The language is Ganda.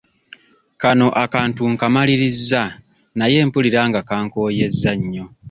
Kano akantu nkamalirizza naye mpulira nga kankooyezza nnyo.